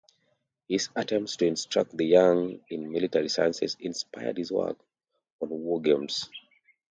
His attempts to instruct the young in military sciences inspired his work on wargames.